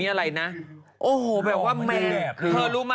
เออคุณไม่สมควร